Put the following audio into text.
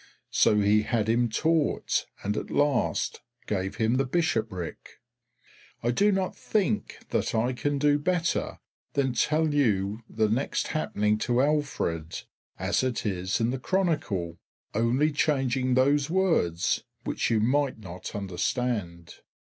So he had him taught, and at last gave him the Bishoprick. I do not think that I can do better than tell you the next happening to Alfred, as it is in the Chronicle, only changing those words which you might not understand.